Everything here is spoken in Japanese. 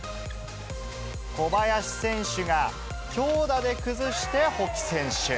小林選手が強打で崩して保木選手。